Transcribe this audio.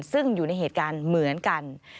ซึ่งอยู่ในเหตุการณ์เหมือนกัน